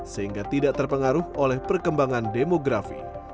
sehingga tidak terpengaruh oleh perkembangan demografi